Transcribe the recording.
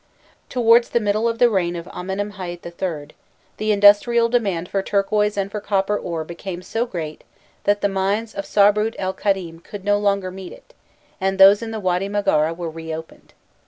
Towards the middle of the reign of Amenemhâît III., the industrial demand for turquoise and for copper ore became so great that the mines of Sarbût el Khâdîm could no longer meet it, and those in the Wady Maghara were re opened.